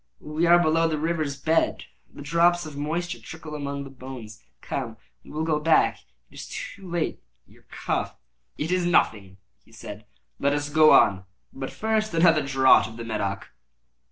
We are below the river's bed. The drops of moisture trickle among the bones. Come, we will go back ere it is too late. Your cough—" "It is nothing," he said; "let us go on. But first, another draught of the Medoc."